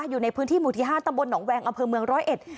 อยู่ในพื้นที่หมู่ที่ห้าตำบลหนองแวงอำเภอเมืองร้อยเอ็ด